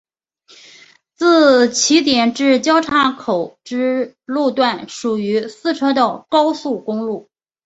自起点至交叉口之路段属于四车道高速公路。